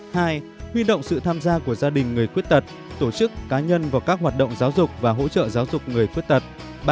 hai huy động sự tham gia của gia đình người khuyết tật tổ chức cá nhân vào các hoạt động giáo dục và hỗ trợ giáo dục người khuyết tật